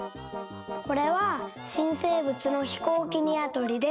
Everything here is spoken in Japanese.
これはしんせいぶつの「ひこうきにわとり」です。